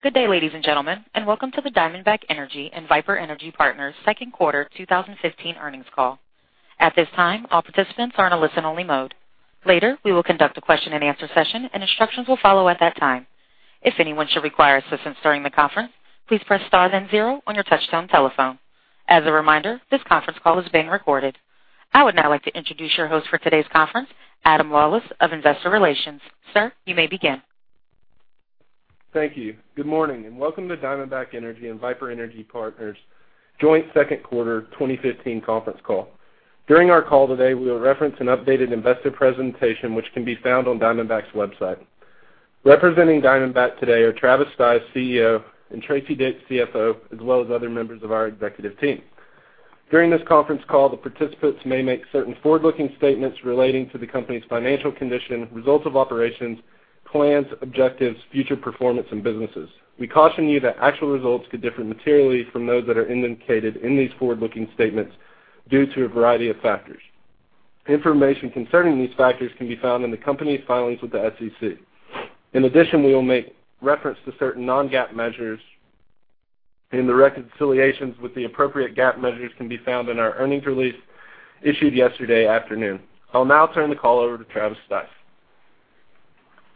Good day, ladies and gentlemen. Welcome to the Diamondback Energy and Viper Energy Partners' second quarter 2015 earnings call. At this time, all participants are in a listen-only mode. Later, we will conduct a question-and-answer session. Instructions will follow at that time. If anyone should require assistance during the conference, please press star then zero on your touch-tone telephone. As a reminder, this conference call is being recorded. I would now like to introduce your host for today's conference, Adam Lawlis of Investor Relations. Sir, you may begin. Thank you. Good morning. Welcome to Diamondback Energy and Viper Energy Partners' joint second quarter 2015 conference call. During our call today, we will reference an updated investor presentation which can be found on Diamondback's website. Representing Diamondback today are Travis Stice, CEO, and Teresa Dick, CFO, as well as other members of our executive team. During this conference call, the participants may make certain forward-looking statements relating to the company's financial condition, results of operations, plans, objectives, future performance, and businesses. We caution you that actual results could differ materially from those that are indicated in these forward-looking statements due to a variety of factors. Information concerning these factors can be found in the company's filings with the SEC. In addition, we will make reference to certain non-GAAP measures. The reconciliations with the appropriate GAAP measures can be found in our earnings release issued yesterday afternoon. I'll now turn the call over to Travis Stice.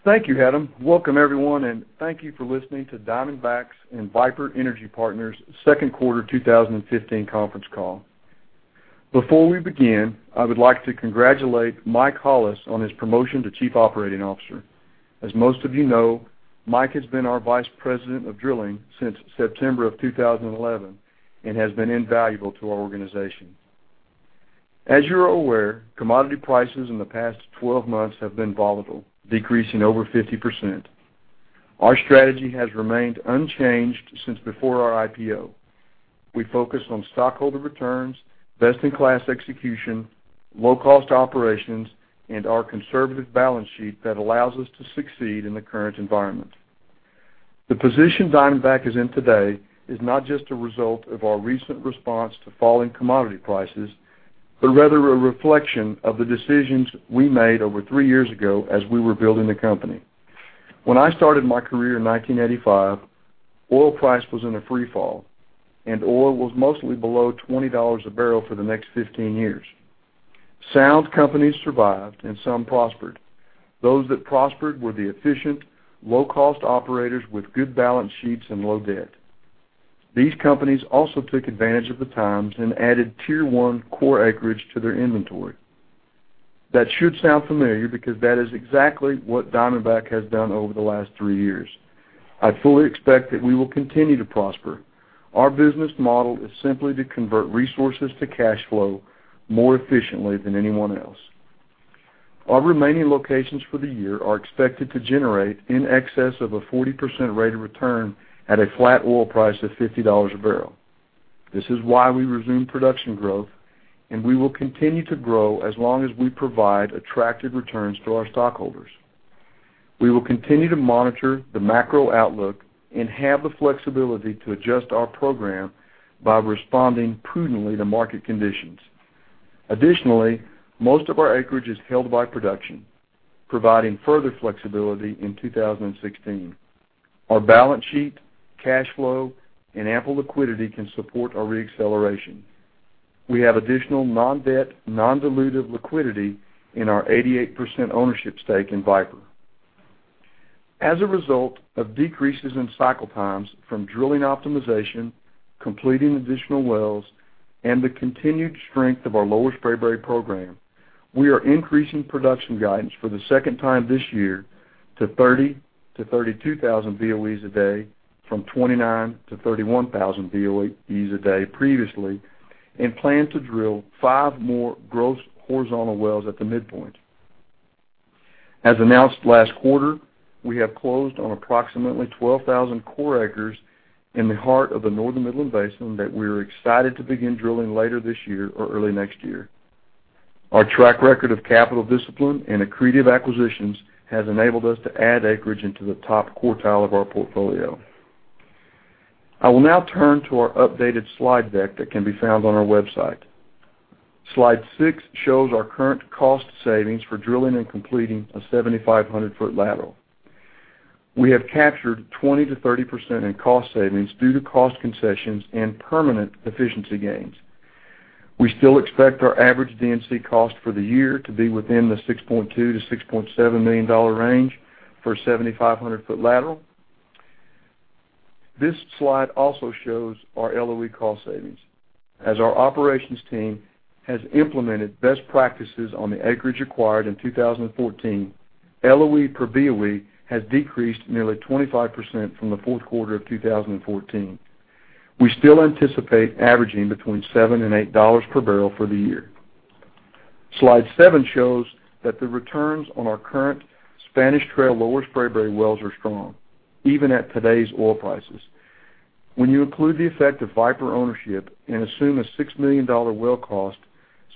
Thank you, Adam. Welcome everyone. Thank you for listening to Diamondback and Viper Energy Partners' second quarter 2015 conference call. Before we begin, I would like to congratulate Mike Hollis on his promotion to Chief Operating Officer. As most of you know, Mike has been our Vice President of Drilling since September of 2011 and has been invaluable to our organization. As you're aware, commodity prices in the past 12 months have been volatile, decreasing over 50%. Our strategy has remained unchanged since before our IPO. We focus on stockholder returns, best-in-class execution, low-cost operations. Our conservative balance sheet allows us to succeed in the current environment. The position Diamondback is in today is not just a result of our recent response to falling commodity prices. Rather, a reflection of the decisions we made over three years ago as we were building the company. When I started my career in 1985, oil price was in a free fall, and oil was mostly below $20 a barrel for the next 15 years. Sound companies survived, and some prospered. Those that prospered were the efficient, low-cost operators with good balance sheets and low debt. These companies also took advantage of the times and added Tier 1 core acreage to their inventory. That should sound familiar because that is exactly what Diamondback has done over the last three years. I fully expect that we will continue to prosper. Our business model is simply to convert resources to cash flow more efficiently than anyone else. Our remaining locations for the year are expected to generate in excess of a 40% rate of return at a flat oil price of $50 a barrel. This is why we resumed production growth. We will continue to grow as long as we provide attractive returns to our stockholders. We will continue to monitor the macro outlook and have the flexibility to adjust our program by responding prudently to market conditions. Additionally, most of our acreage is held by production, providing further flexibility in 2016. Our balance sheet, cash flow, and ample liquidity can support our re-acceleration. We have additional non-debt, non-dilutive liquidity in our 88% ownership stake in Viper. As a result of decreases in cycle times from drilling optimization, completing additional wells, and the continued strength of our Lower Spraberry program, we are increasing production guidance for the second time this year to 30,000 to 32,000 BOEs a day from 29,000 to 31,000 BOEs a day previously and plan to drill five more gross horizontal wells at the midpoint. As announced last quarter, we have closed on approximately 12,000 core acres in the heart of the Northern Midland Basin that we're excited to begin drilling later this year or early next year. Our track record of capital discipline and accretive acquisitions has enabled us to add acreage into the top quartile of our portfolio. I will now turn to our updated slide deck that can be found on our website. Slide six shows our current cost savings for drilling and completing a 7,500-foot lateral. We have captured 20% to 30% in cost savings due to cost concessions and permanent efficiency gains. We still expect our average D&C cost for the year to be within the $6.2 million to $6.7 million range for a 7,500-foot lateral. This slide also shows our LOE cost savings. As our operations team has implemented best practices on the acreage acquired in 2014, LOE per BOE has decreased nearly 25% from the fourth quarter of 2014. We still anticipate averaging between $7 and $8 per barrel for the year. Slide seven shows that the returns on our current Spanish Trail Lower Spraberry wells are strong, even at today's oil prices. When you include the effect of Viper ownership and assume a $6 million well cost,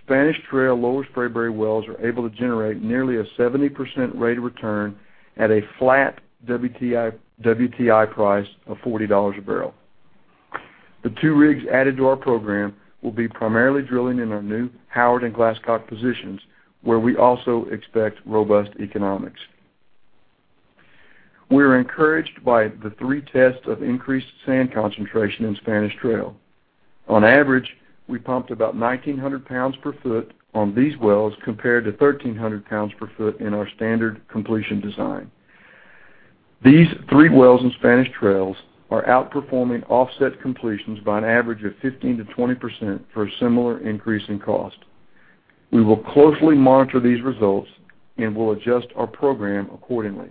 Spanish Trail Lower Spraberry wells are able to generate nearly a 70% rate of return at a flat WTI price of $40 a barrel. The two rigs added to our program will be primarily drilling in our new Howard and Glasscock positions, where we also expect robust economics. We are encouraged by the three tests of increased sand concentration in Spanish Trail. On average, we pumped about 1,900 pounds per foot on these wells, compared to 1,300 pounds per foot in our standard completion design. These three wells in Spanish Trail are outperforming offset completions by an average of 15%-20% for a similar increase in cost. We will closely monitor these results and will adjust our program accordingly.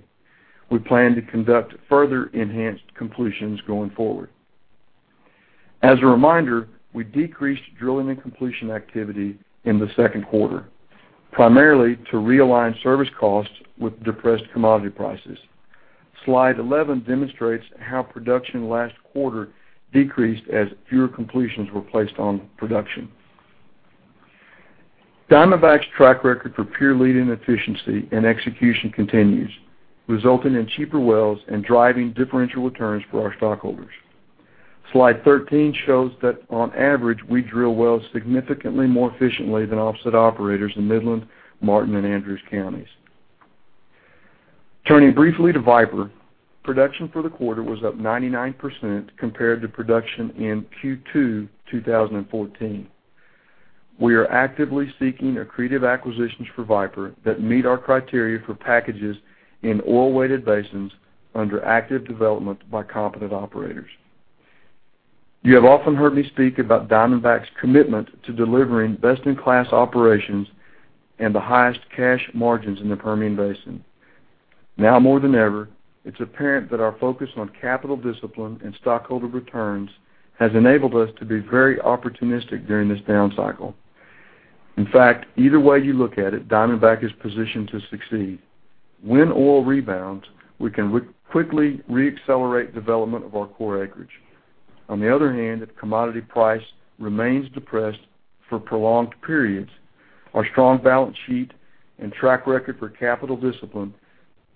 We plan to conduct further enhanced completions going forward. As a reminder, we decreased drilling and completion activity in the second quarter, primarily to realign service costs with depressed commodity prices. Slide 11 demonstrates how production last quarter decreased as fewer completions were placed on production. Diamondback's track record for peer-leading efficiency and execution continues, resulting in cheaper wells and driving differential returns for our stockholders. Slide 13 shows that on average, we drill wells significantly more efficiently than offset operators in Midland, Martin, and Andrews counties. Turning briefly to Viper. Production for the quarter was up 99% compared to production in Q2 2014. We are actively seeking accretive acquisitions for Viper that meet our criteria for packages in oil-weighted basins under active development by competent operators. You have often heard me speak about Diamondback's commitment to delivering best-in-class operations and the highest cash margins in the Permian Basin. Now more than ever, it's apparent that our focus on capital discipline and stockholder returns has enabled us to be very opportunistic during this down cycle. In fact, either way you look at it, Diamondback is positioned to succeed. When oil rebounds, we can quickly re-accelerate development of our core acreage. On the other hand, if commodity price remains depressed for prolonged periods, our strong balance sheet and track record for capital discipline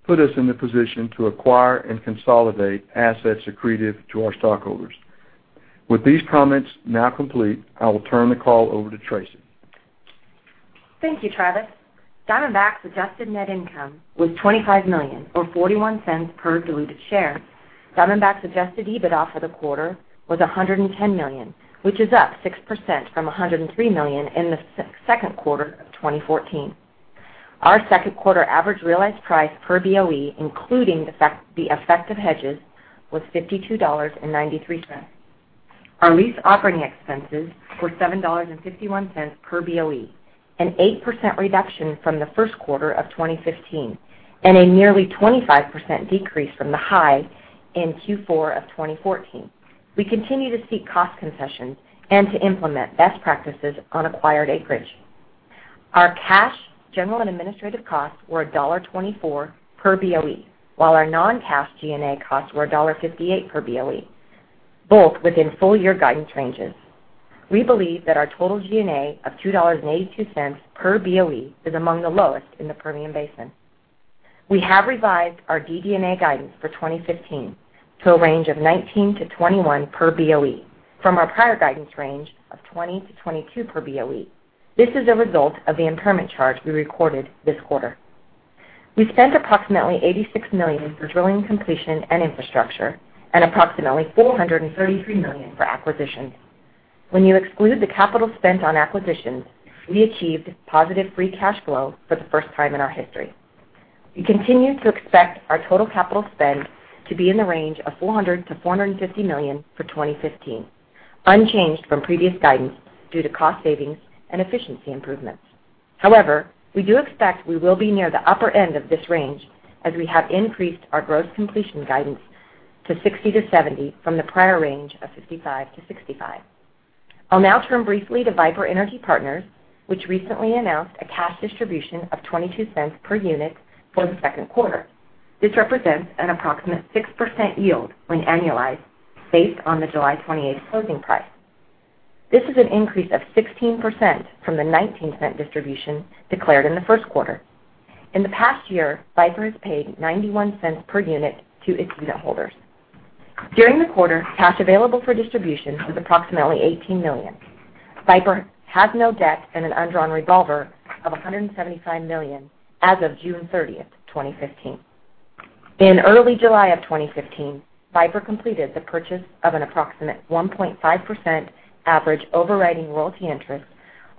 put us in the position to acquire and consolidate assets accretive to our stockholders. With these comments now complete, I will turn the call over to Tracy. Thank you, Travis. Diamondback's adjusted net income was $25 million, or $0.41 per diluted share. Diamondback's adjusted EBITDA for the quarter was $110 million, which is up 6% from $103 million in the second quarter of 2014. Our second quarter average realized price per BOE, including the effect of hedges, was $52.93. Our lease operating expenses were $7.51 per BOE, an 8% reduction from the first quarter of 2015 and a nearly 25% decrease from the high in Q4 of 2014. We continue to seek cost concessions and to implement best practices on acquired acreage. Our cash general and administrative costs were $1.24 per BOE, while our non-cash G&A costs were $1.58 per BOE, both within full-year guidance ranges. We believe that our total G&A of $2.82 per BOE is among the lowest in the Permian Basin. We have revised our DD&A guidance for 2015 to a range of 19-21 per BOE from our prior guidance range of 20-22 per BOE. This is a result of the impairment charge we recorded this quarter. We spent approximately $86 million for drilling completion and infrastructure, and approximately $433 million for acquisitions. When you exclude the capital spent on acquisitions, we achieved positive free cash flow for the first time in our history. We continue to expect our total capital spend to be in the range of $400 million-$450 million for 2015, unchanged from previous guidance due to cost savings and efficiency improvements. However, we do expect we will be near the upper end of this range as we have increased our gross completion guidance to 60-70 from the prior range of 55-65. I'll now turn briefly to Viper Energy Partners, which recently announced a cash distribution of $0.22 per unit for the second quarter. This represents an approximate 6% yield when annualized based on the July 28th closing price. This is an increase of 16% from the $0.19 distribution declared in the first quarter. In the past year, Viper has paid $0.91 per unit to its unitholders. During the quarter, cash available for distribution was approximately $18 million. Viper has no debt and an undrawn revolver of $175 million as of June 30th, 2015. In early July of 2015, Viper completed the purchase of an approximate 1.5% average overriding royalty interest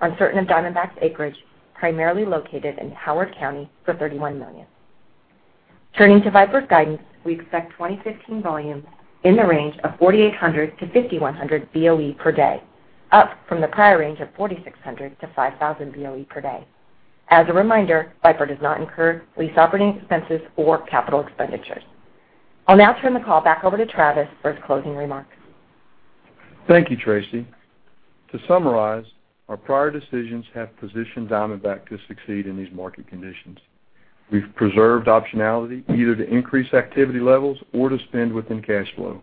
on certain of Diamondback's acreage, primarily located in Howard County, for $31 million. Turning to Viper's guidance, we expect 2015 volumes in the range of 4,800-5,100 BOE per day, up from the prior range of 4,600-5,000 BOE per day. As a reminder, Viper does not incur lease operating expenses or capital expenditures. I'll now turn the call back over to Travis for his closing remarks. Thank you, Tracy. To summarize, our prior decisions have positioned Diamondback to succeed in these market conditions. We've preserved optionality either to increase activity levels or to spend within cash flow.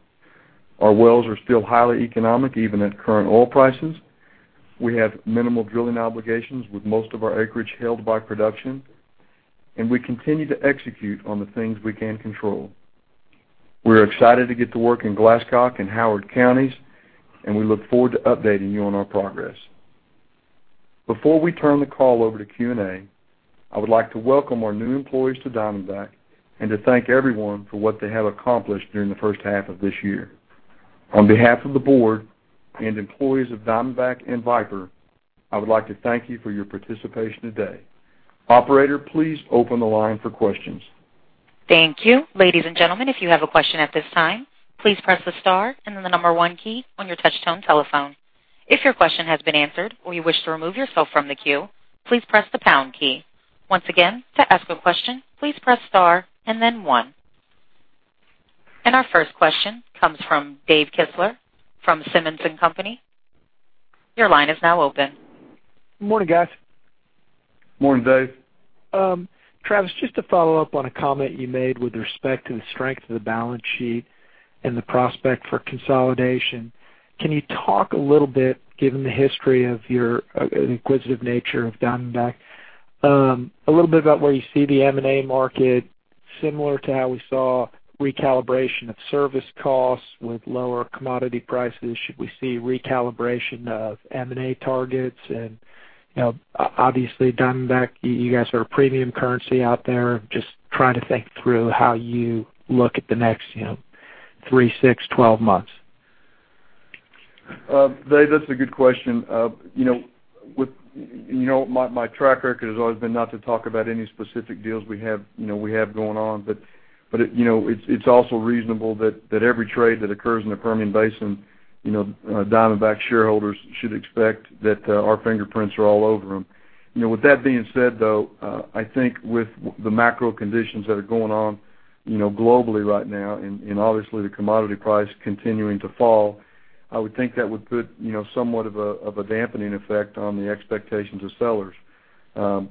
Our wells are still highly economic, even at current oil prices. We have minimal drilling obligations with most of our acreage held by production. We continue to execute on the things we can control. We are excited to get to work in Glasscock and Howard Counties, we look forward to updating you on our progress. Before we turn the call over to Q&A, I would like to welcome our new employees to Diamondback and to thank everyone for what they have accomplished during the first half of this year. On behalf of the board and employees of Diamondback and Viper, I would like to thank you for your participation today. Operator, please open the line for questions. Thank you. Ladies and gentlemen, if you have a question at this time, please press the star and then the number one key on your touchtone telephone. If your question has been answered, or you wish to remove yourself from the queue, please press the pound key. Once again, to ask a question, please press star and then one. Our first question comes from Dave Kistler from Simmons & Company. Your line is now open. Good morning, guys. Morning, Dave. Travis, just to follow up on a comment you made with respect to the strength of the balance sheet and the prospect for consolidation, can you talk a little bit, given the history of your inquisitive nature of Diamondback, a little bit about where you see the M&A market, similar to how we saw recalibration of service costs with lower commodity prices? Should we see recalibration of M&A targets? Obviously, Diamondback, you guys are a premium currency out there. Just trying to think through how you look at the next three, six, 12 months. Dave, that's a good question. My track record has always been not to talk about any specific deals we have going on. It's also reasonable that every trade that occurs in the Permian Basin, Diamondback shareholders should expect that our fingerprints are all over them. With that being said, though, I think with the macro conditions that are going on globally right now and obviously the commodity price continuing to fall, I would think that would put somewhat of a dampening effect on the expectations of sellers.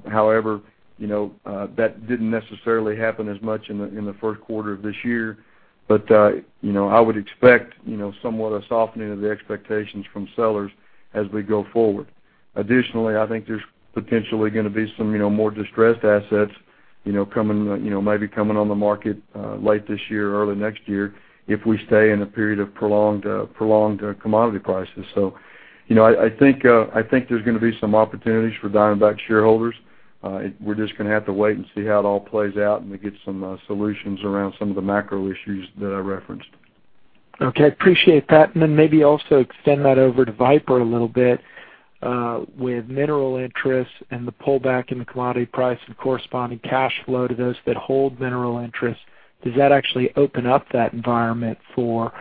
However, that didn't necessarily happen as much in the first quarter of this year. I would expect somewhat of a softening of the expectations from sellers as we go forward. Additionally, I think there's potentially going to be some more distressed assets maybe coming on the market late this year or early next year if we stay in a period of prolonged commodity prices. I think there's going to be some opportunities for Diamondback shareholders. We're just going to have to wait and see how it all plays out, and we get some solutions around some of the macro issues that I referenced. Okay. Appreciate that. Maybe also extend that over to Viper a little bit. With mineral interests and the pullback in the commodity price and corresponding cash flow to those that hold mineral interests, does that actually open up that environment for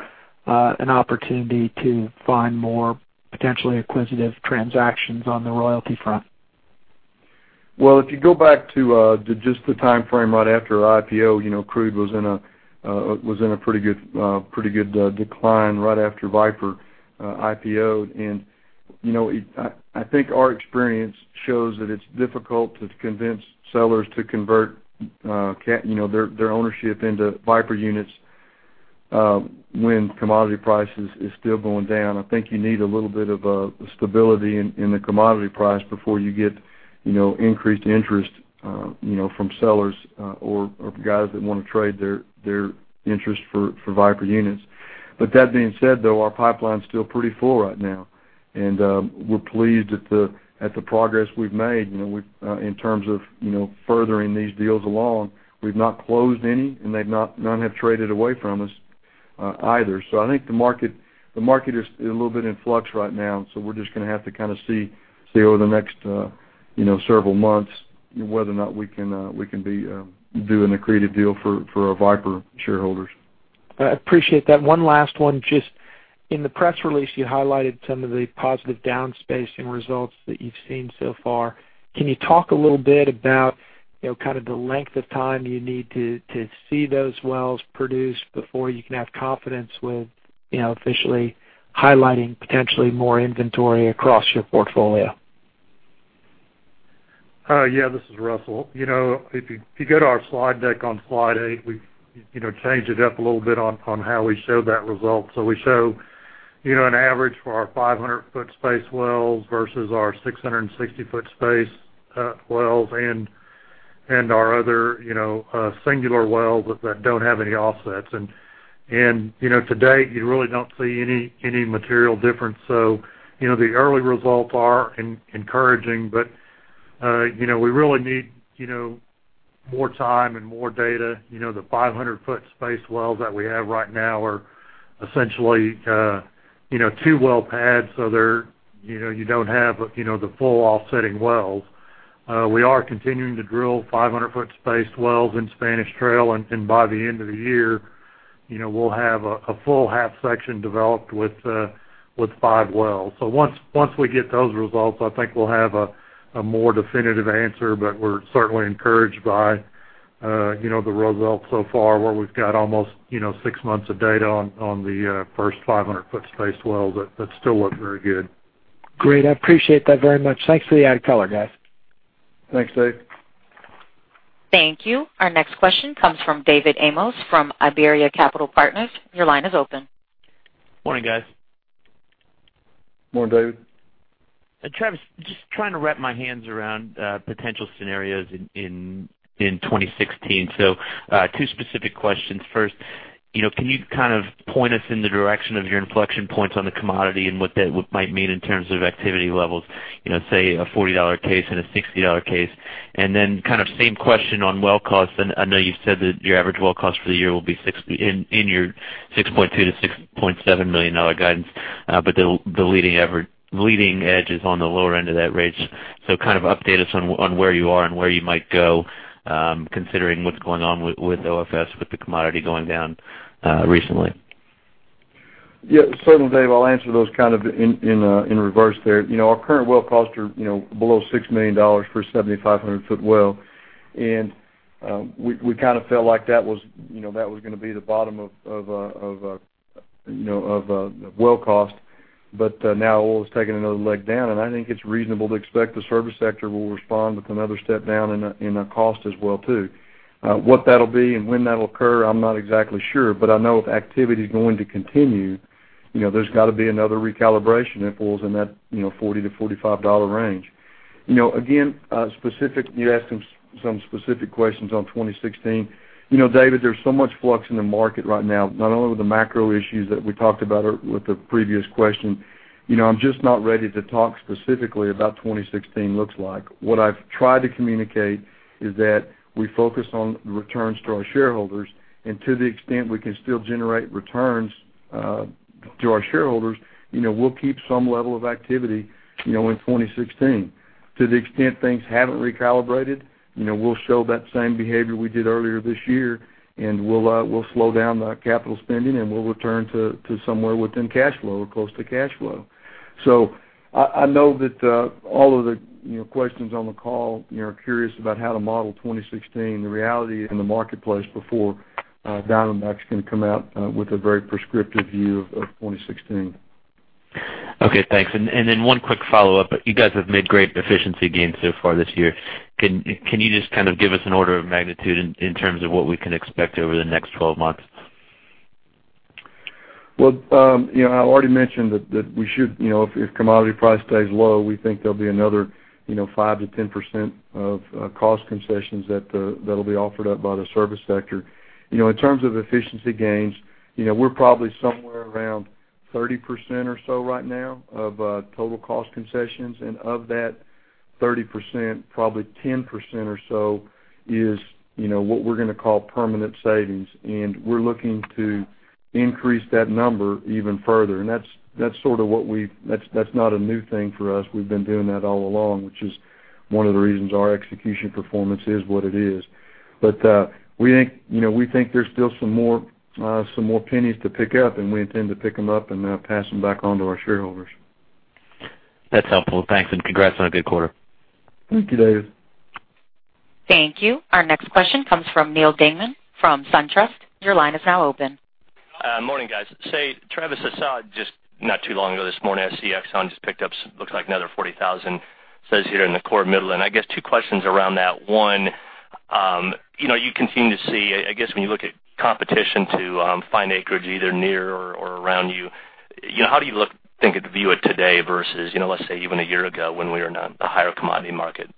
an opportunity to find more potentially inquisitive transactions on the royalty front? Well, if you go back to just the timeframe right after our IPO, crude was in a pretty good decline right after Viper IPO'd. I think our experience shows that it's difficult to convince sellers to convert their ownership into Viper units when commodity prices is still going down. I think you need a little bit of stability in the commodity price before you get increased interest from sellers or guys that want to trade their interest for Viper units. That being said, though, our pipeline's still pretty full right now, and we're pleased at the progress we've made in terms of furthering these deals along. We've not closed any, and none have traded away from us either. I think the market is a little bit in flux right now, and so we're just going to have to see over the next several months whether or not we can be doing a creative deal for our Viper shareholders. I appreciate that. One last one. Just in the press release, you highlighted some of the positive down spacing results that you've seen so far. Can you talk a little bit about the length of time you need to see those wells produce before you can have confidence with officially highlighting potentially more inventory across your portfolio? This is Russell. If you go to our slide deck on slide eight, we changed it up a little bit on how we show that result. We show an average for our 500 foot space wells versus our 660 foot space wells and our other singular wells that don't have any offsets. To date, you really don't see any material difference. The early results are encouraging, but we really need more time and more data. The 500 foot space wells that we have right now are essentially two well pads, so you don't have the full offsetting wells. We are continuing to drill 500 foot space wells in Spanish Trail, and by the end of the year, we'll have a full half section developed with five wells. Once we get those results, I think we'll have a more definitive answer, but we're certainly encouraged by the results so far, where we've got almost six months of data on the first 500 foot space wells that still look very good. Great. I appreciate that very much. Thanks for the added color, guys. Thanks, Dave. Thank you. Our next question comes from David Amoss from Iberia Capital Partners. Your line is open. Morning, guys. Morning, David. Travis, just trying to wrap my hands around potential scenarios in 2016. Two specific questions. First, can you point us in the direction of your inflection points on the commodity and what that might mean in terms of activity levels, say, a $40 case and a $60 case? Same question on well cost. I know you said that your average well cost for the year will be in your $6.2 million to $6.7 million guidance. The leading edge is on the lower end of that range. Update us on where you are and where you might go, considering what's going on with OFS, with the commodity going down recently. Yeah. Certainly, Dave, I'll answer those in reverse there. Our current well costs are below $6 million for a 7,500-foot well, and we felt like that was going to be the bottom of well cost. Now oil has taken another leg down, and I think it's reasonable to expect the service sector will respond with another step down in the cost as well, too. What that'll be and when that'll occur, I'm not exactly sure, but I know if activity is going to continue, there's got to be another recalibration if oil's in that $40 to $45 range. Again, you asked some specific questions on 2016. David, there's so much flux in the market right now, not only with the macro issues that we talked about with the previous question. I'm just not ready to talk specifically about what 2016 looks like. What I've tried to communicate is that we focus on returns to our shareholders, and to the extent we can still generate returns to our shareholders, we'll keep some level of activity in 2016. To the extent things haven't recalibrated, we'll show that same behavior we did earlier this year, and we'll slow down the capital spending, and we'll return to somewhere within cash flow or close to cash flow. I know that all of the questions on the call are curious about how to model 2016. The reality in the marketplace before Diamondback's going to come out with a very prescriptive view of 2016. Okay, thanks. One quick follow-up. You guys have made great efficiency gains so far this year. Can you just give us an order of magnitude in terms of what we can expect over the next 12 months? Well, I already mentioned that if commodity price stays low, we think there'll be another 5%-10% of cost concessions that'll be offered up by the service sector. In terms of efficiency gains, we're probably somewhere around 30% or so right now of total cost concessions, and of that 30%, probably 10% or so is what we're going to call permanent savings. We're looking to increase that number even further. That's not a new thing for us. We've been doing that all along, which is one of the reasons our execution performance is what it is. We think there's still some more pennies to pick up, and we intend to pick them up and pass them back on to our shareholders. That's helpful. Thanks, congrats on a good quarter. Thank you, David. Thank you. Our next question comes from Neal Dingmann from SunTrust. Your line is now open. Morning, guys. Travis, I saw just not too long ago this morning, I see Exxon just picked up looks like another 40,000 sites here in the core Midland. I guess two questions around that. One, you continue to see, I guess, when you look at competition to find acreage either near or around you, how do you view it today versus, let's say, even a year ago when we were in a higher commodity market?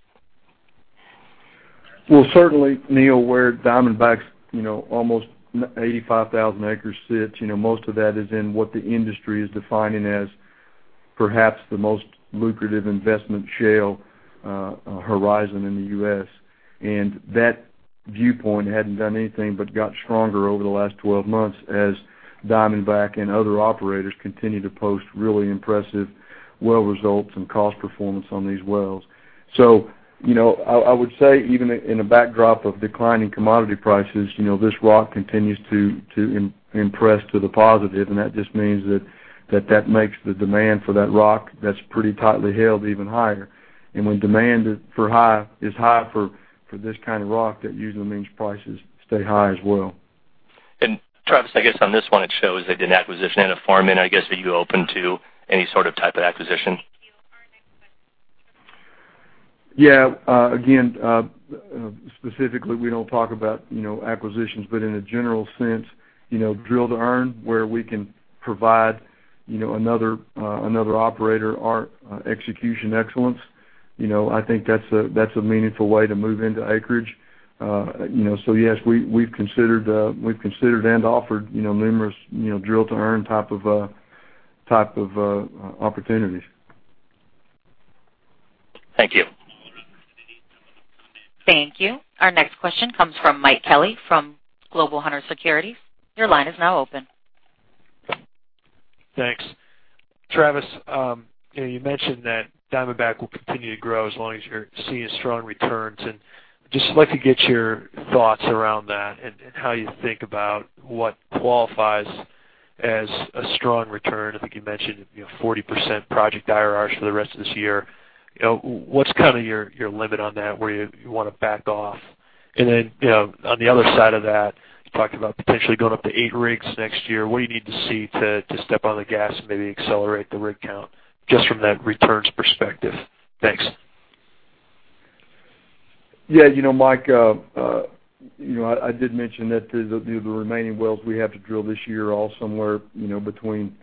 Certainly, Neal, where Diamondback's almost 85,000 acres sits, most of that is in what the industry is defining as perhaps the most lucrative investment shale horizon in the U.S., that viewpoint hadn't done anything but got stronger over the last 12 months as Diamondback and other operators continue to post really impressive well results and cost performance on these wells. I would say even in a backdrop of declining commodity prices, this rock continues to impress to the positive, that just means that makes the demand for that rock that's pretty tightly held even higher. When demand is high for this kind of rock, that usually means prices stay high as well. Travis, I guess on this one, it shows they did an acquisition and a farm-in. I guess, are you open to any type of acquisition? Yeah. Again, specifically, we don't talk about acquisitions, but in a general sense, drill to earn where we can provide another operator our execution excellence. I think that's a meaningful way to move into acreage. Yes, we've considered and offered numerous drill to earn type of opportunities. Thank you. Thank you. Our next question comes from Mike Kelly from Global Hunter Securities. Your line is now open. Thanks. Travis, you mentioned that Diamondback will continue to grow as long as you're seeing strong returns, I'd just like to get your thoughts around that and how you think about what qualifies as a strong return. I think you mentioned 40% project IRRs for the rest of this year. What's your limit on that where you want to back off? Then, on the other side of that, you talked about potentially going up to eight rigs next year. What do you need to see to step on the gas and maybe accelerate the rig count just from that returns perspective? Thanks. Yeah, Mike, I did mention that the remaining wells we have to drill this year are all somewhere between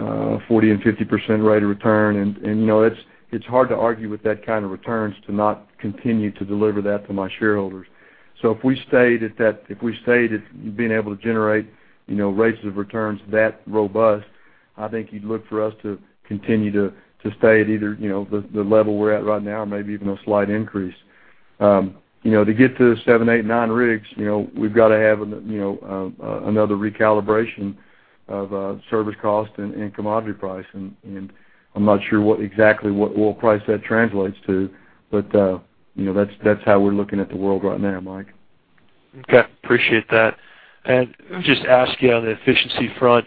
40% and 50% rate of return. It's hard to argue with that kind of returns to not continue to deliver that to my shareholders. If we stayed at being able to generate rates of returns that robust, I think you'd look for us to continue to stay at either the level we're at right now or maybe even a slight increase. To get to the seven, eight, nine rigs, we've got to have another recalibration of service cost and commodity pricing. I'm not sure exactly what oil price that translates to, but that's how we're looking at the world right now, Mike. Okay. Appreciate that. Let me just ask you on the efficiency front,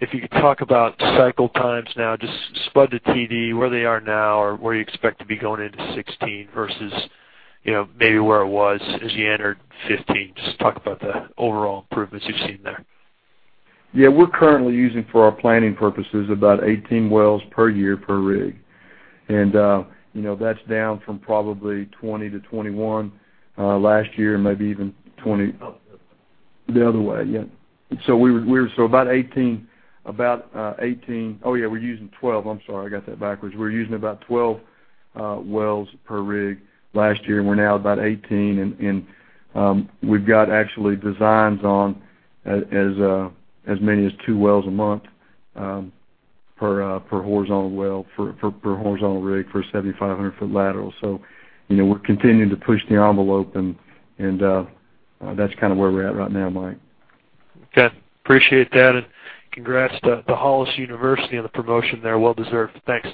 if you could talk about cycle times now, just spud to TD, where they are now or where you expect to be going into 2016 versus maybe where it was as you entered 2015. Just talk about the overall improvements you've seen there. Yeah. We're currently using, for our planning purposes, about 18 wells per year per rig. That's down from probably 20 to 21 last year. Oh. The other way. Yeah. About 18. Oh, yeah, we're using 12. I'm sorry, I got that backwards. We were using about 12 wells per rig last year. We're now about 18. We've got actually designs on as many as two wells a month, per horizontal well, per horizontal rig for a 7,500-foot lateral. We're continuing to push the envelope, and that's where we're at right now, Mike. Okay. Appreciate that, and congrats to Hollis on the promotion there. Well deserved. Thanks.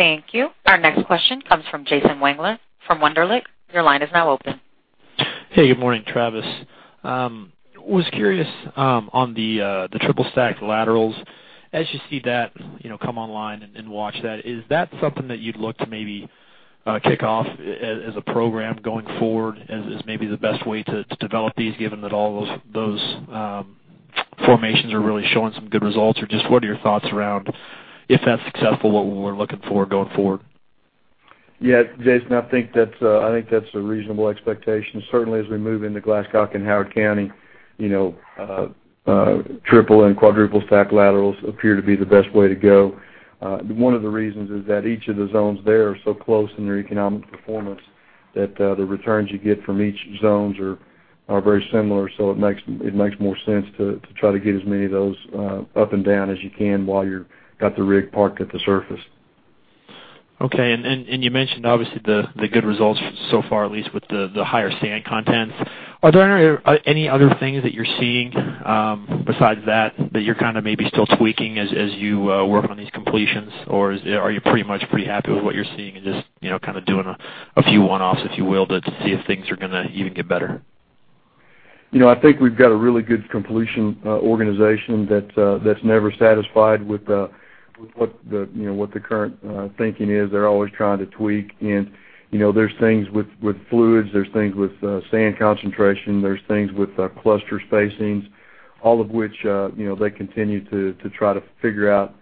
Thank you. Thank you. Our next question comes from Jason Wangler from Wunderlich. Your line is now open. Hey, good morning, Travis. Was curious on the triple stack laterals. As you see that come online and watch that, is that something that you'd look to maybe kick off as a program going forward as maybe the best way to develop these, given that all those formations are really showing some good results? Or just what are your thoughts around if that's successful, what we're looking for going forward? Yeah. Jason, I think that's a reasonable expectation. Certainly, as we move into Glasscock and Howard County, triple and quadruple stack laterals appear to be the best way to go. One of the reasons is that each of the zones there are so close in their economic performance that the returns you get from each zones are very similar, so it makes more sense to try to get as many of those up and down as you can while you're got the rig parked at the surface. Okay. You mentioned, obviously, the good results so far, at least with the higher sand content. Are there any other things that you're seeing besides that you're maybe still tweaking as you work on these completions? Are you pretty much happy with what you're seeing and just doing a few one-offs, if you will, to see if things are going to even get better? I think we've got a really good completion organization that's never satisfied with what the current thinking is. They're always trying to tweak, there's things with fluids, there's things with sand concentration, there's things with cluster spacings, all of which they continue to try to figure out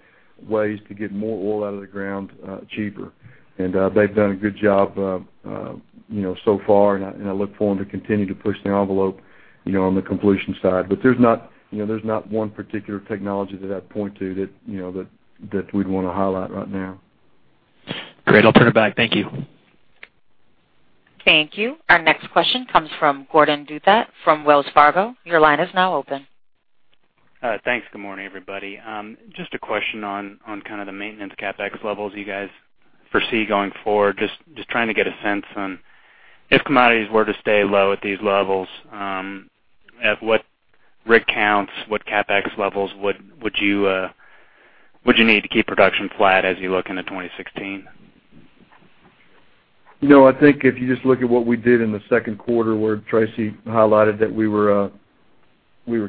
ways to get more oil out of the ground cheaper. They've done a good job so far, and I look for them to continue to push the envelope on the completion side. There's not one particular technology that I'd point to that we'd want to highlight right now. Great. I'll turn it back. Thank you. Thank you. Our next question comes from Gordon Douthat from Wells Fargo. Your line is now open. Thanks. Good morning, everybody. Just a question on the maintenance CapEx levels you guys foresee going forward. Just trying to get a sense on if commodities were to stay low at these levels, at what rig counts, what CapEx levels would you need to keep production flat as you look into 2016? I think if you just look at what we did in the second quarter, where Tracy highlighted that we were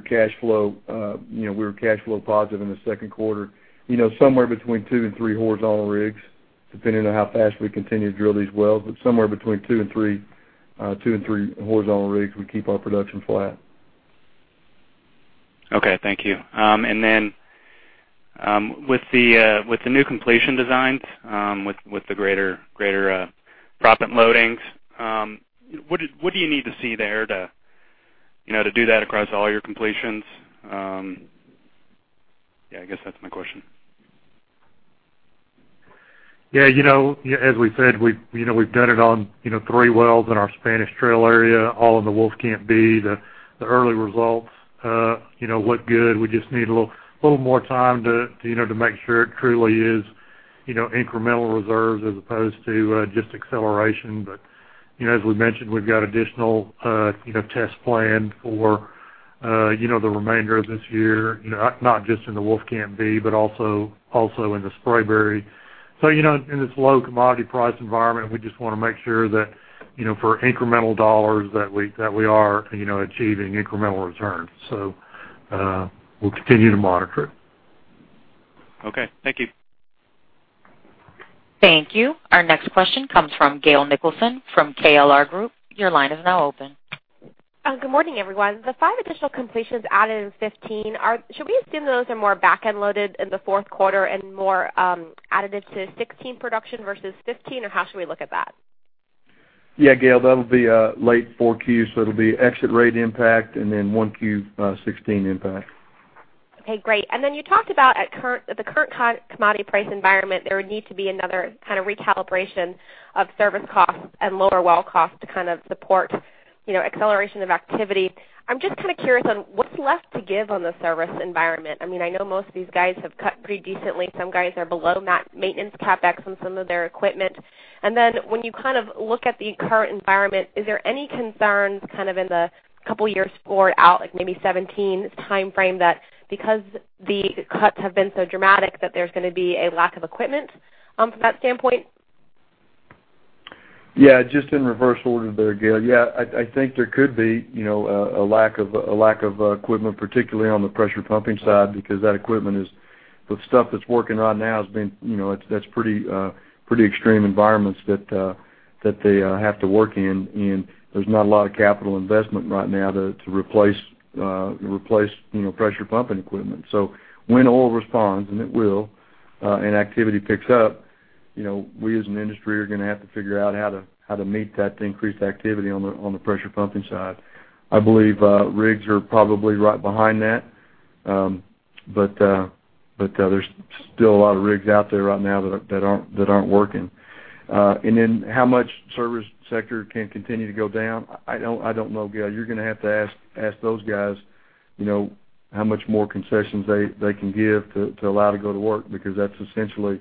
cash flow positive in the second quarter. Somewhere between two and three horizontal rigs, depending on how fast we continue to drill these wells, somewhere between two and three horizontal rigs would keep our production flat. Okay, thank you. Then, with the new completion designs, with the greater proppant loadings, what do you need to see there to do that across all your completions? Yeah, I guess that's my question. Yeah. As we said, we've done it on three wells in our Spanish Trail area, all in the Wolfcamp B. The early results look good. We just need a little more time to make sure it truly is incremental reserves as opposed to just acceleration. As we mentioned, we've got additional tests planned for the remainder of this year, not just in the Wolfcamp B, but also in the Spraberry. In this low commodity price environment, we just want to make sure that for incremental dollars, that we are achieving incremental returns. We'll continue to monitor it. Okay. Thank you. Thank you. Our next question comes from Gail Nicholson from KLR Group. Your line is now open. Good morning, everyone. The five additional completions added in 2015, should we assume those are more back-end loaded in the fourth quarter and more additive to 2016 production versus 2015? How should we look at that? Yeah, Gail, that'll be late four Q. It'll be exit rate impact and then Q1 2016 impact. Okay, great. Then you talked about at the current commodity price environment, there would need to be another kind of recalibration of service costs and lower well cost to support acceleration of activity. I'm just curious on what's left to give on the service environment. I know most of these guys have cut pretty decently. Some guys are below maintenance CapEx on some of their equipment. Then when you look at the current environment, is there any concerns in the couple years forward out, like maybe 2017 timeframe that because the cuts have been so dramatic that there's going to be a lack of equipment from that standpoint? Yeah. Just in reverse order there, Gail. Yeah, I think there could be a lack of equipment, particularly on the pressure pumping side because that equipment, the stuff that's working right now, that's pretty extreme environments that they have to work in, and there's not a lot of capital investment right now to replace pressure pumping equipment. When oil responds, and it will, and activity picks up, we as an industry are going to have to figure out how to meet that increased activity on the pressure pumping side. I believe rigs are probably right behind that. There's still a lot of rigs out there right now that aren't working. Then how much service sector can continue to go down, I don't know, Gail. You're going to have to ask those guys how much more concessions they can give to allow to go to work because that's essentially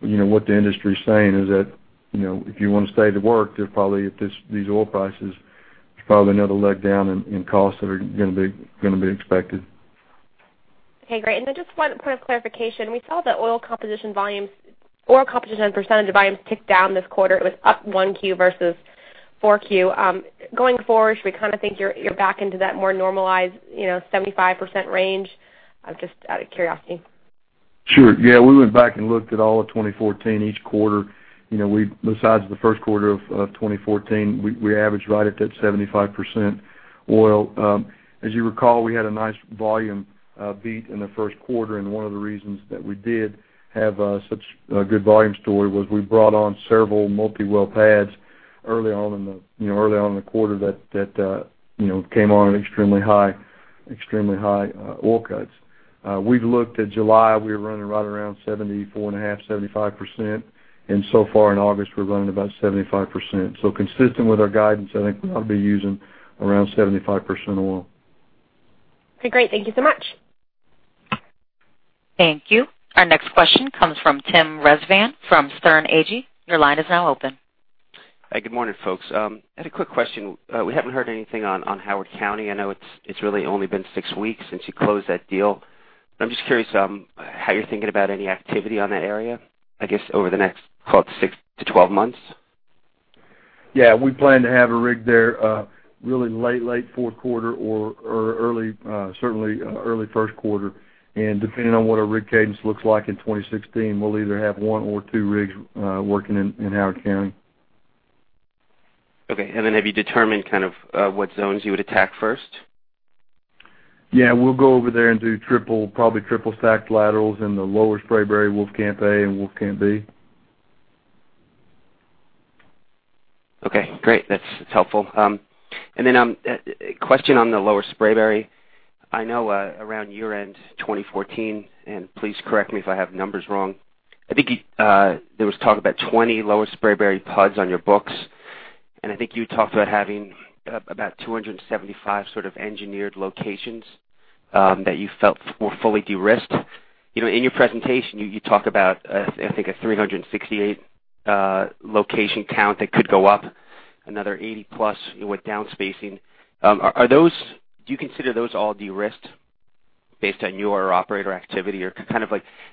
what the industry's saying is that, if you want to stay to work, at these oil prices, there's probably another leg down in costs that are going to be expected. Okay, great. Just one point of clarification. We saw the oil composition % volumes ticked down this quarter. It was up Q1 versus Q4. Going forward, should we think you're back into that more normalized 75% range? Just out of curiosity. Sure. Gail, we went back and looked at all of 2014, each quarter. Besides the first quarter of 2014, we averaged right at that 75% oil. As you recall, we had a nice volume beat in the first quarter. One of the reasons that we did have such a good volume story was we brought on several multi-well pads early on in the quarter that came on at extremely high oil cuts. We've looked at July, we were running right around 74.5%, 75%. So far in August, we're running about 75%. Consistent with our guidance, I think we ought to be using around 75% oil. Okay, great. Thank you so much. Thank you. Our next question comes from Tim Rezvan from Sterne Agee. Your line is now open. Hi, good morning, folks. I had a quick question. We haven't heard anything on Howard County. I know it's really only been six weeks since you closed that deal, but I'm just curious how you're thinking about any activity on that area, I guess, over the next, call it six to 12 months. Yeah. We plan to have a rig there really late fourth quarter or certainly early first quarter, and depending on what our rig cadence looks like in 2016, we'll either have one or two rigs working in Howard County. Okay. Have you determined what zones you would attack first? Yeah. We'll go over there and do probably triple stacked laterals in the Lower Spraberry Wolfcamp A and Wolfcamp B. Okay, great. That's helpful. A question on the Lower Spraberry. I know around year-end 2014, and please correct me if I have numbers wrong, I think there was talk about 20 Lower Spraberry pods on your books, and I think you talked about having about 275 sort of engineered locations that you felt were fully de-risked. In your presentation, you talk about, I think, a 368 location count that could go up another 80-plus with downspacing. Do you consider those all de-risked based on your operator activity? Or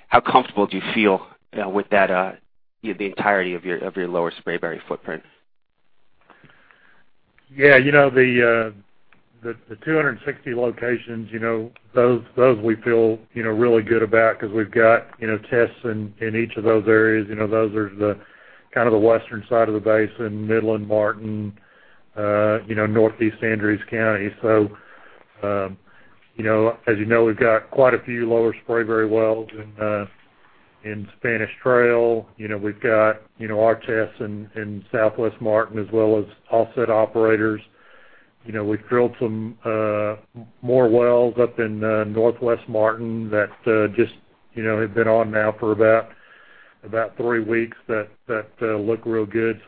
how comfortable do you feel with the entirety of your Lower Spraberry footprint? Yeah. The 260 locations, those we feel really good about because we've got tests in each of those areas. Those are the western side of the basin, Midland, Martin, Northeast Andrews County. As you know, we've got quite a few Lower Spraberry wells in Spanish Trail. We've got our tests in Southwest Martin, as well as offset operators. We've drilled some more wells up in Northwest Martin that just have been on now for about three weeks that look real good.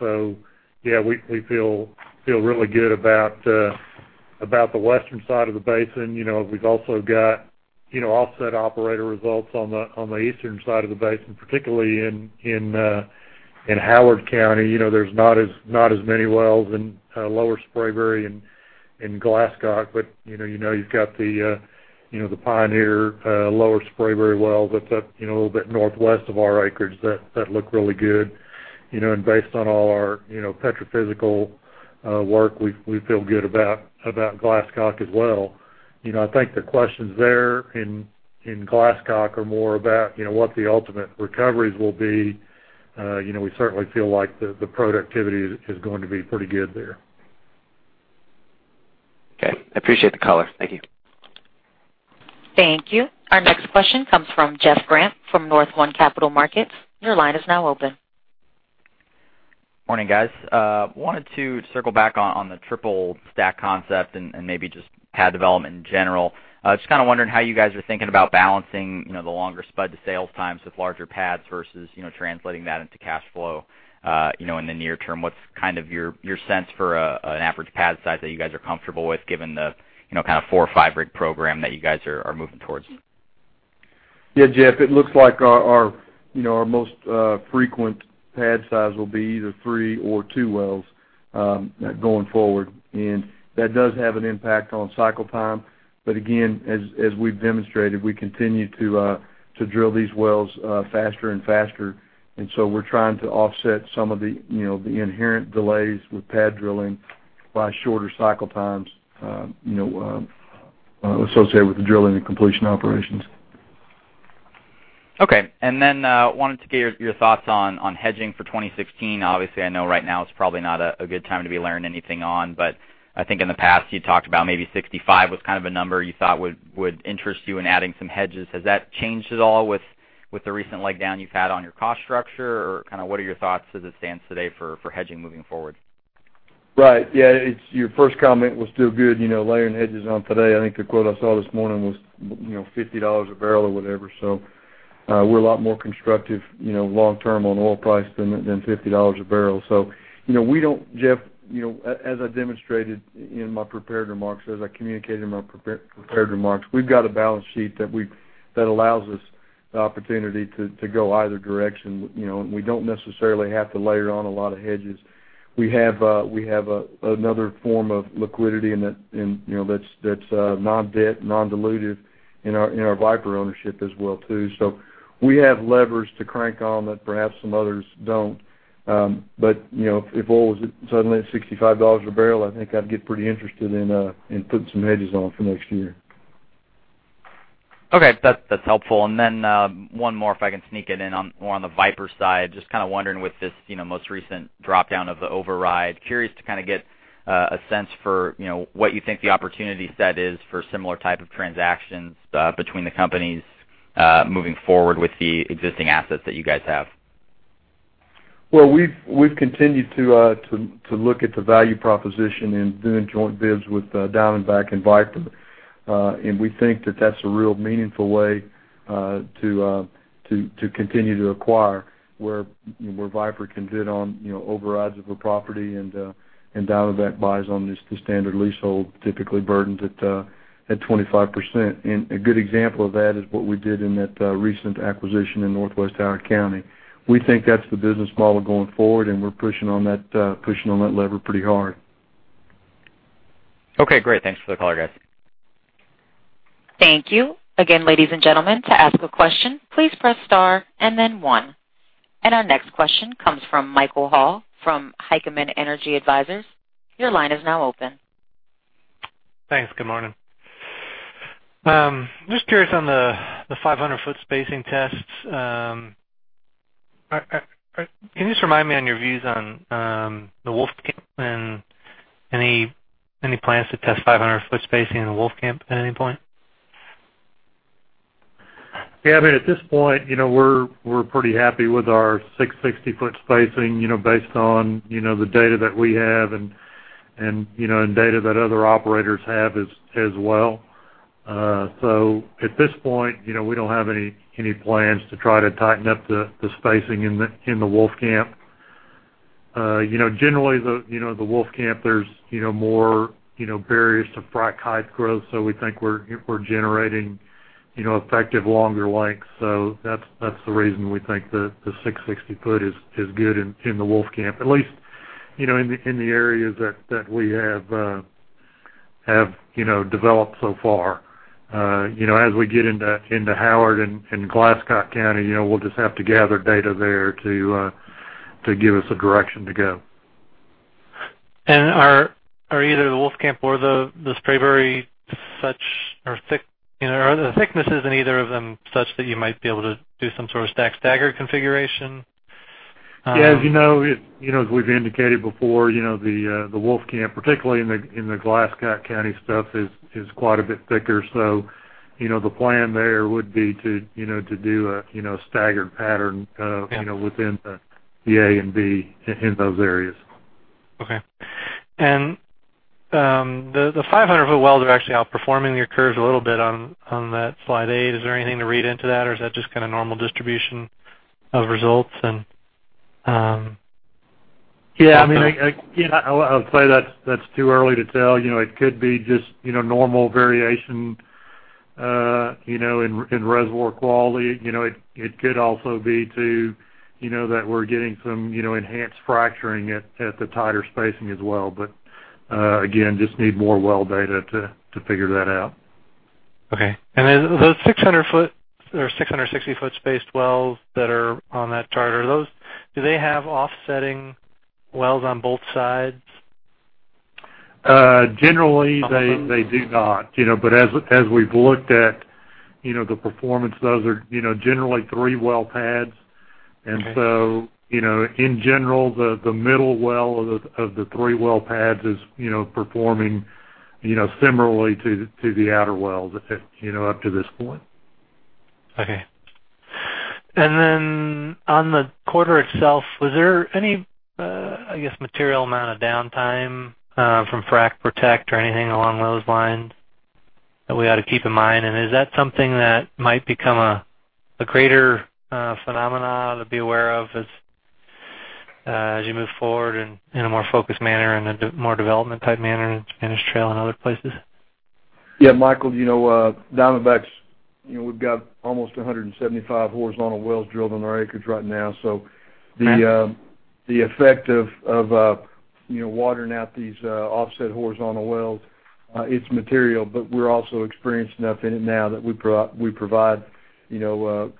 Yeah, we feel really good about the western side of the basin. We've also got offset operator results on the eastern side of the basin, particularly in Howard County. There's not as many wells in Lower Spraberry in Glasscock, but you know you've got the Pioneer Lower Spraberry well that's up a little bit northwest of our acreage that look really good. Based on all our petrophysical work, we feel good about Glasscock as well. I think the questions there in Glasscock are more about what the ultimate recoveries will be. We certainly feel like the productivity is going to be pretty good there. Okay. I appreciate the color. Thank you. Thank you. Our next question comes from Jeff Grampp from Northland Capital Markets. Your line is now open. Morning, guys. Wanted to circle back on the triple stack concept and maybe just pad development in general. Just wondering how you guys are thinking about balancing the longer spud to sales times with larger pads versus translating that into cash flow, in the near term. What's your sense for an average pad size that you guys are comfortable with given the four or five rig program that you guys are moving towards? Yeah, Jeff, it looks like our most frequent pad size will be either three or two wells, going forward. That does have an impact on cycle time. Again, as we've demonstrated, we continue to drill these wells faster and faster. We're trying to offset some of the inherent delays with pad drilling by shorter cycle times associated with the drilling and completion operations. Okay. Wanted to get your thoughts on hedging for 2016. Obviously, I know right now it's probably not a good time to be layering anything on, but I think in the past you talked about maybe 65 was a number you thought would interest you in adding some hedges. Has that changed at all with the recent leg down you've had on your cost structure? What are your thoughts as it stands today for hedging moving forward? Right. Yeah, your first comment was still good, layering hedges on today. I think the quote I saw this morning was $50 a barrel or whatever. We're a lot more constructive long term on oil price than $50 a barrel. Jeff, as I demonstrated in my prepared remarks, as I communicated in my prepared remarks, we've got a balance sheet that allows us the opportunity to go either direction, and we don't necessarily have to layer on a lot of hedges. We have another form of liquidity and that's non-debt, non-dilutive in our Viper ownership as well too. We have levers to crank on that perhaps some others don't. If oil was suddenly at $65 a barrel, I think I'd get pretty interested in putting some hedges on for next year. Okay. That's helpful. One more if I can sneak it in on more on the Viper side, just wondering with this most recent drop-down of the override, curious to get a sense for what you think the opportunity set is for similar type of transactions, between the companies, moving forward with the existing assets that you guys have. We've continued to look at the value proposition in doing joint bids with Diamondback and Viper. We think that that's a real meaningful way to continue to acquire where Viper can bid on overrides of a property and Diamondback buys on the standard leasehold typically burdened at 25%. A good example of that is what we did in that recent acquisition in northwest Howard County. We think that's the business model going forward, and we're pushing on that lever pretty hard. Okay, great. Thanks for the color, guys. Thank you. Again, ladies and gentlemen, to ask a question, please press star and then 1. Our next question comes from Michael Hall from Heikkinen Energy Advisors. Your line is now open. Thanks. Good morning. Just curious on the 500-foot spacing tests. Can you just remind me on your views on the Wolfcamp and any plans to test 500-foot spacing in Wolfcamp at any point? Yeah. I mean, at this point, we're pretty happy with our 660-foot spacing based on the data that we have and data that other operators have as well. At this point, we don't have any plans to try to tighten up the spacing in the Wolfcamp. Generally, the Wolfcamp, there's more barriers to frac height growth, we think we're generating effective longer lengths. That's the reason we think the 660-foot is good in the Wolfcamp, at least in the areas that we have developed so far. As we get into Howard and Glasscock County, we'll just have to gather data there to give us a direction to go. Are either the Wolfcamp or the Spraberry such, or are the thicknesses in either of them such that you might be able to do some sort of stack stagger configuration? Yeah. As we've indicated before, the Wolfcamp, particularly in the Glasscock County stuff, is quite a bit thicker. The plan there would be to do a staggered pattern within the A and B in those areas. Okay. The 500-foot wells are actually outperforming your curves a little bit on that slide eight. Is there anything to read into that, or is that just normal distribution of results? Yeah. I mean, I would say that's too early to tell. It could be just normal variation in reservoir quality. It could also be, too, that we're getting some enhanced fracturing at the tighter spacing as well. Again, just need more well data to figure that out. Okay. Those 660-foot spaced wells that are on that chart, do they have offsetting wells on both sides? Generally, they do not. As we've looked at the performance, those are generally three well pads. Okay. In general, the middle well of the three well pads is performing similarly to the outer wells up to this point. Okay. On the quarter itself, was there any, I guess, material amount of downtime from frac protect or anything along those lines that we ought to keep in mind? Is that something that might become a greater phenomena to be aware of as you move forward in a more focused manner and a more development type manner in Spanish Trail and other places? Yeah, Michael, Diamondback, we've got almost 175 horizontal wells drilled on our acreage right now, so the effect of watering out these offset horizontal wells, it's material, but we're also experienced enough in it now that we provide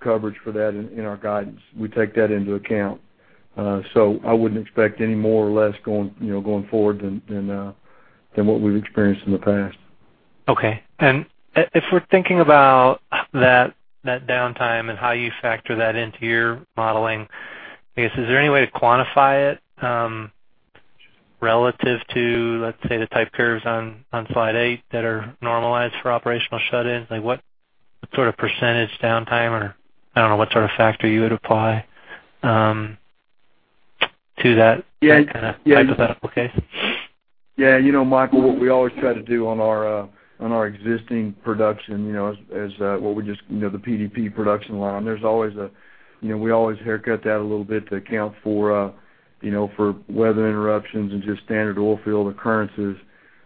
coverage for that in our guidance. We take that into account. I wouldn't expect any more or less going forward than what we've experienced in the past. Okay. If we're thinking about that downtime and how you factor that into your modeling, I guess, is there any way to quantify it, relative to, let's say, the type curves on slide eight that are normalized for operational shut-ins? Like what sort of % downtime or, I don't know, what sort of factor you would apply to that kind of hypothetical case? Yeah, Michael, what we always try to do on our existing production, the PDP production line, we always haircut that a little bit to account for weather interruptions and just standard oil field occurrences.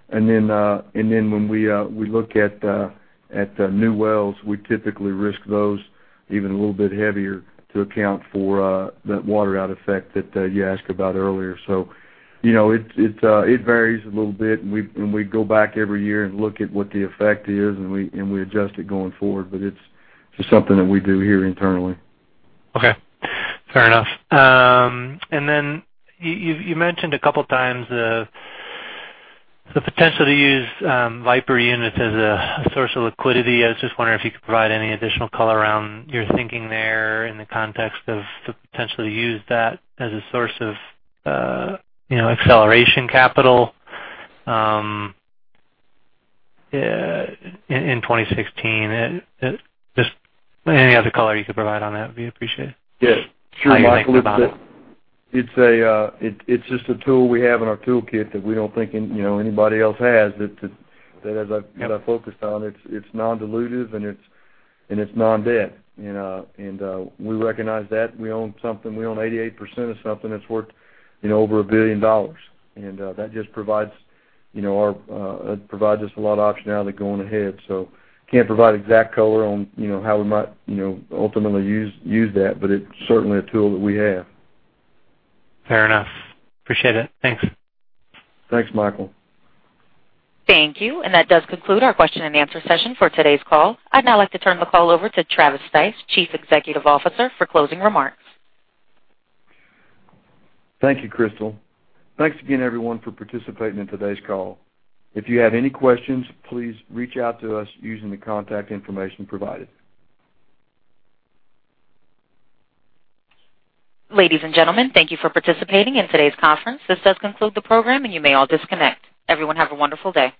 When we look at the new wells, we typically risk those even a little bit heavier to account for that water out effect that you asked about earlier. It varies a little bit, and we go back every year and look at what the effect is, and we adjust it going forward. It's just something that we do here internally. Okay. Fair enough. You've mentioned a couple of times the potential to use Viper units as a source of liquidity. I was just wondering if you could provide any additional color around your thinking there in the context of the potential to use that as a source of acceleration capital in 2016. Just any other color you could provide on that would be appreciated. Yeah, sure, Michael. How you think about it. It's just a tool we have in our toolkit that we don't think anybody else has, that as I've focused on, it's non-dilutive and it's non-debt. We recognize that. We own 88% of something that's worth over $1 billion. That just provides us a lot of optionality going ahead. Can't provide exact color on how we might ultimately use that, but it's certainly a tool that we have. Fair enough. Appreciate it. Thanks. Thanks, Michael. Thank you. That does conclude our question and answer session for today's call. I'd now like to turn the call over to Travis Stice, Chief Executive Officer, for closing remarks. Thank you, Crystal. Thanks again, everyone, for participating in today's call. If you have any questions, please reach out to us using the contact information provided. Ladies and gentlemen, thank you for participating in today's conference. This does conclude the program, and you may all disconnect. Everyone have a wonderful day.